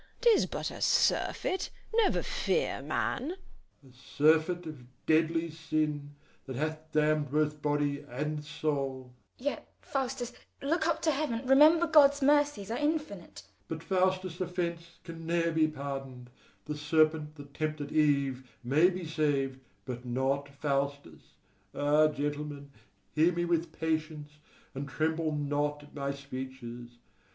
'Tis but a surfeit; never fear, man. FAUSTUS. A surfeit of deadly sin, that hath damned both body and soul. SECOND SCHOLAR. Yet, Faustus, look up to heaven; remember God's mercies are infinite. FAUSTUS. But Faustus' offence can ne'er be pardoned: the serpent that tempted Eve may be saved, but not Faustus. Ah, gentlemen, hear me with patience, and tremble not at my speeches!